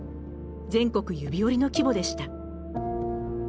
全国指折りの規模でした。